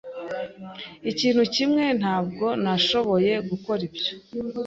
Ikintu kimwe, ntabwo nashoboye gukora ibyo.